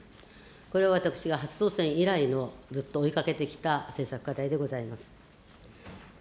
これは私が初当選以来、ずっと追いかけてきた政策課題でございます。